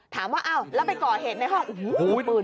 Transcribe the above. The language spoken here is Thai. ถามว่าอ้าวแล้วไปก่อเหตุในห้องโอ้โห